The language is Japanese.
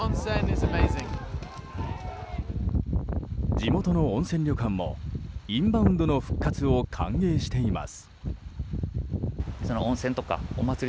地元の温泉旅館もインバウンドの復活を歓迎しています。